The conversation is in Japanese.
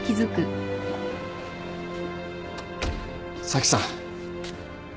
・咲さん。